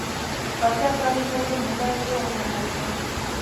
پاچا صاحب وویل نو دا یې څه وفاداري ده.